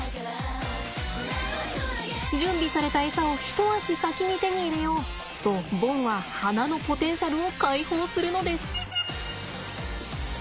準備されたエサを一足先に手に入れようとボンは鼻のポテンシャルを解放するのです。